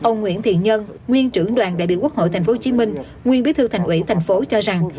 nguyễn thiện nhân nguyên trưởng đoàn đại biểu quốc hội tp hcm nguyên bí thư thành ủy thành phố cho rằng